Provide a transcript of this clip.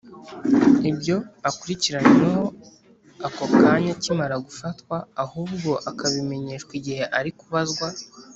ibyo akurikiranyweho ako kanya akimara gufatwa ahubwo akabimenyeshwa igihe ari kubazwa